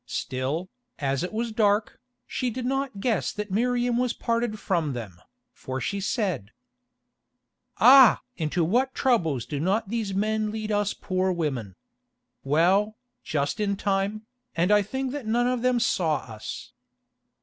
Still, as it was dark, she did not guess that Miriam was parted from them, for she said: "Ah! into what troubles do not these men lead us poor women. Well, just in time, and I think that none of them saw us."